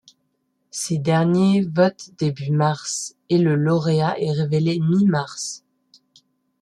Ces derniers votent début mars, et le lauréat est révélé mi-mars.